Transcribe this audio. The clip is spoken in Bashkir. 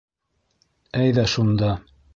Әйҙә шунда